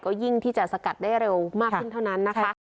ก็ยิ่งที่จะสกัดได้เร็วมากขึ้นเท่านั้นนะคะ